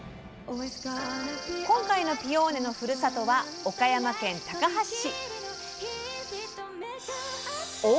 今回のピオーネのふるさとは岡山県高梁市。